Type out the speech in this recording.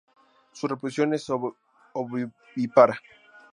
Su reproducción es ovovivípara.